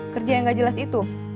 kerja yang gak jelas itu